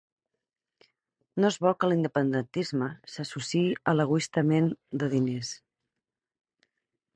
No es vol que l'independentisme s'associï a l'egoistament de diners.